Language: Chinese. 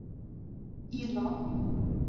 仡佬族是中国和越南的一个少数民族。